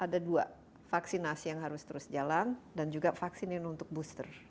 ada dua vaksinasi yang harus terus jalan dan juga vaksin yang untuk booster